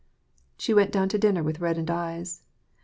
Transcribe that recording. " She went down to dinner with reddened eyes.